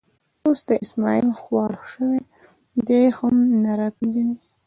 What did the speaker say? اوس دا اسمعیل خوار شوی، دی هم نه را پېژني.